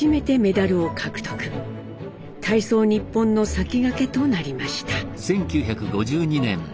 体操ニッポンの先駆けとなりました。